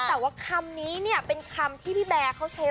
แต่ว่าคำนี้เนี่ยเป็นคำที่พี่แบร์เขาใช้